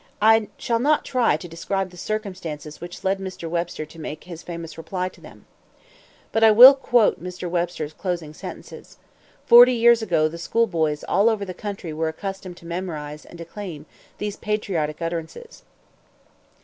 I shall not try to describe the circumstances which led Mr. Webster to make his famous reply to them. But I will quote Mr. Webster's closing sentences. Forty years ago the school boys all over the country were accustomed to memorize and declaim these patriotic utterances.